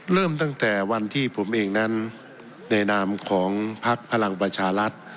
เริ่มตั้งแต่วันที่ผมเองนั้นในนามของพักพลังประชารัฐ